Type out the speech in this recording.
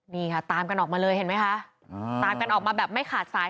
นี่ค่ะตามกันออกมาเลยเห็นไหมคะตามกันออกมาแบบไม่ขาดสาย